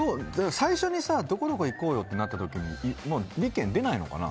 最初にどこどこ行こうよってなった時に、意見が出ないのかな。